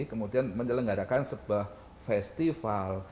kemudian menyelenggarakan sebuah festival